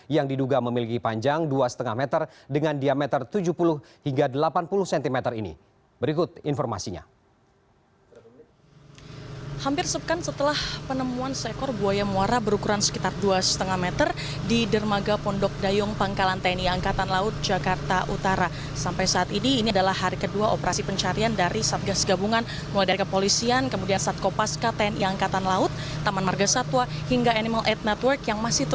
yang diduga memiliki panjang dua lima meter dengan diameter tujuh puluh hingga delapan puluh cm ini